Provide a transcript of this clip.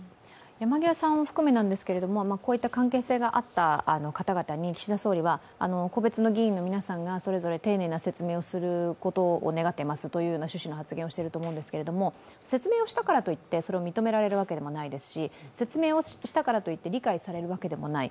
山際さんを含めですけれども、こういった関係性があった方々に岸田総理は個別の議員の皆さんがそれぞれ丁寧な説明をすることを願っていますという趣旨の発言をしてると思うんですけれども説明をしたからといってそれを認められるわけでもないですし、理解されるわけでもない。